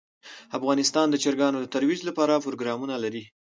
افغانستان د چرګانو د ترویج لپاره پروګرامونه لري.